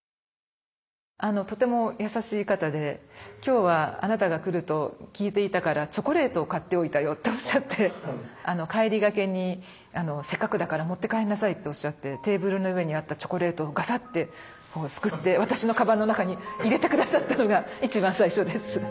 とても優しい方で今日はあなたが来ると聞いていたから帰りがけに「せっかくだから持って帰んなさい」っておっしゃってテーブルの上にあったチョコレートをガサッてすくって私のかばんの中に入れて下さったのが一番最初です。